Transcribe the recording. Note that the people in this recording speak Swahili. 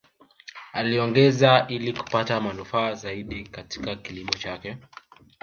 Aliongeza ili kupata manufaa zaidi Katika kilimo chake